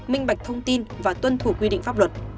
minh bạch thông tin và tuân thủ quy định pháp luật